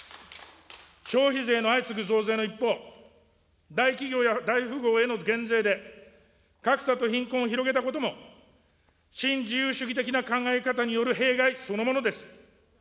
消費税の相次ぐ増税の一方、大企業や大富豪への減税で、格差と貧困を広げたことも、新自由主義的な考え方による弊害そのものです。